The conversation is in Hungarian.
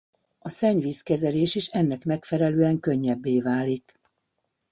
A szennyvíz kezelés is ennek megfelelően könnyebbé válik.